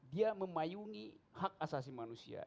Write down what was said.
dia memayungi hak asasi manusia